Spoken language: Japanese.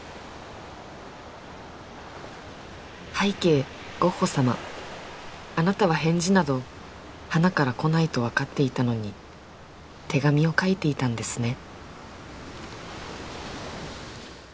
拝啓ゴッホ様あなたは返事などはなから来ないと分かっていたのに手紙を描いていたんですね